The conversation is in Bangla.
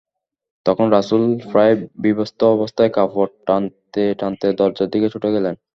তখন রাসূল প্রায় বিবস্ত্র অবস্থায় কাপড় টানতে টানতে দরজার দিকে ছুটে গেলেন।